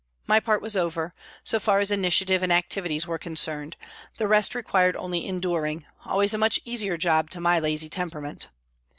My part was over, so far as initiative and activities were concerned, the rest required only enduring, always a much easier job to my lazy temperament.